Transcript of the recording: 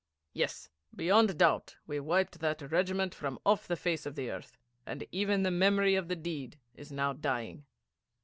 Yes, beyond doubt we wiped that regiment from off the face of the earth, and even the memory of the deed is now dying.